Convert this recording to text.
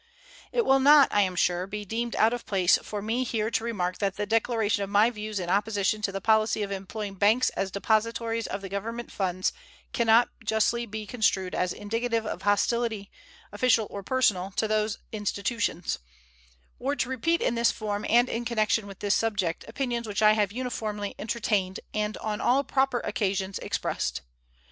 It will not, I am sure, be deemed out of place for me here to remark that the declaration of my views in opposition to the policy of employing banks as depositories of the Government funds can not justly be construed as indicative of hostility, official or personal, to those institutions; or to repeat in this form and in connection with this subject opinions which I have uniformly entertained and on all proper occasions expressed.